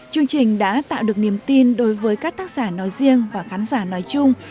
chương trình đã tạo được niềm tin đối với các tác giả nói riêng và khán giả nói chung